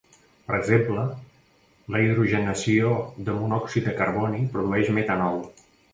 Per exemple, la hidrogenació de monòxid de carboni produeix metanol.